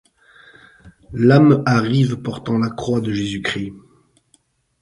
L’âme arrive portant la croix de Jésus-Christ ;